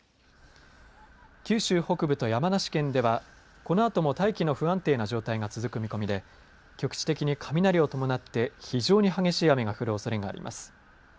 九州北部と山梨県ではこのあとも大気の不安定な状態が続く見込みで局地的に雷を伴って非常に激しい雨が降るおそれがあります。